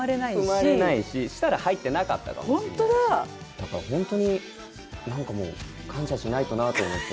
だから本当に何かもう感謝しないとなと思って。